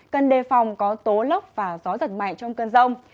cân đề phòng có tố lốc và gió giật mạnh trong cân rông